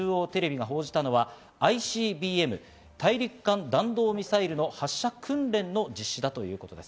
昨日、北朝鮮の朝鮮中央テレビが報じたのは、ＩＣＢＭ＝大陸間弾道ミサイルの発射訓練の実施だということです。